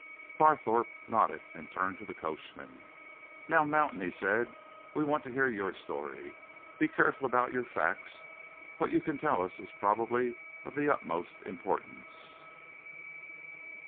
Barthorpe nodded and turned to the coachman. "Now, Mountain," he said. "We want to hear your story. Be careful about your facts what you can tell us is probably of the utmost importance."